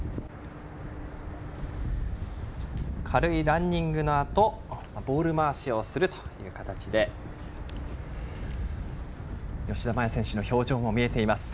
軽いランニングのあとボール回しをするという形で吉田麻也選手の表情も見えています。